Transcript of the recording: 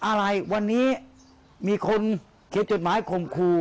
อะไรวันนี้มีคนเขียนจดหมายข่มขู่